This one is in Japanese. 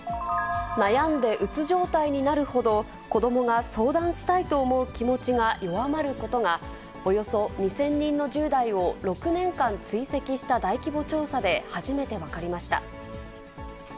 悩んでうつ状態になるほど、子どもが相談したいと思う気持ちが弱まることが、およそ２０００人の１０代を６年間追跡した大規模調査で初めて分かりました。